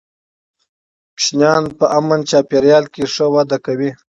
ماشومان په امن چاپېریال کې ښه وده کوي